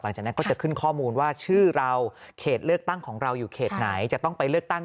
หลังจากนั้นก็จะขึ้นข้อมูลว่าชื่อเราเขตเลือกตั้งของเราอยู่เขตไหน